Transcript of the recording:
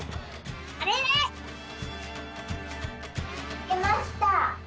かけました。